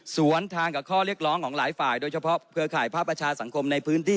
สวนทางกับข้อเรียกร้องของหลายฝ่ายโดยเฉพาะเครือข่ายภาพประชาสังคมในพื้นที่